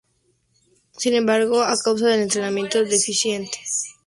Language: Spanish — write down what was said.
Sin embargo, a causa del entrenamiento deficiente las mismas no eran armas efectivas.